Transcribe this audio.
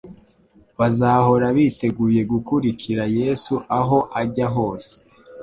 Bazahora biteguye gukurikira Yesu aho ajya hose.